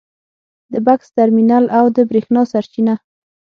د بکس ترمینل او د برېښنا سرچینه